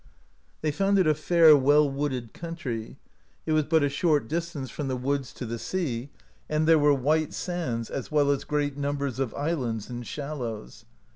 They found it a fair, well wooded country; it was but a short distance from the woods to the sea, and [there were] white sands, as well as great numbers of islands and shallows.